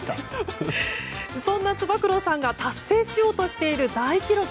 そんなつば九郎さんが達成しようとしている大記録。